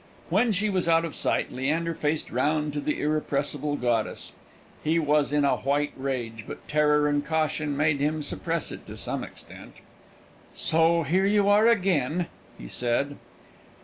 When she was out of sight, Leander faced round to the irrepressible goddess. He was in a white rage; but terror and caution made him suppress it to some extent. "So here you are again!" he said.